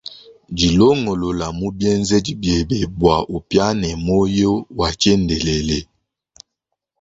Dilongolole mu bienzedi biebe bua upiane muoyo wa tshiendelele.